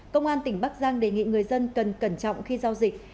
công an tỉnh bắc giang đề nghị người dân cần cẩn trọng khi giao dịch